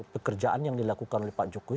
pekerjaan yang dilakukan oleh pak jokowi